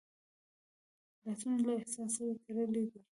لاسونه له احساس سره تړلي دي